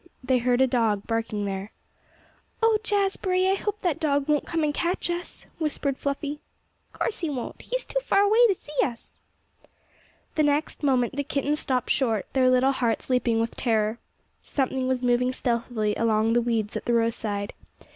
They heard a dog barking there. "Oh, Jazbury! I hope that dog won't come and catch us," whispered Fluffy. "Course he won't. He's too far away to see us." The next moment the kittens stopped short, their little hearts leaping with terror. Something was moving stealthily among the weeds at the roadside.